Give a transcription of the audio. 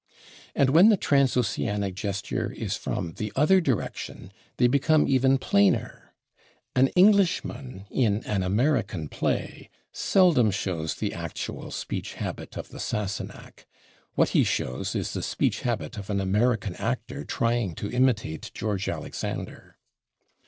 And when the transoceanic gesture is from the other direction they become even plainer. An Englishman, in an American play, seldom shows the actual speech habit of the Sassenach; what he shows is the speech habit of an American actor trying to imitate George Alexander.